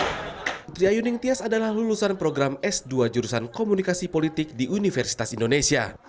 menteri ayuning tias adalah lulusan program s dua jurusan komunikasi politik di universitas indonesia